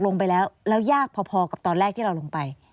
ลงไปแล้วแล้วยากพอกับตอนแรกที่เราลงไป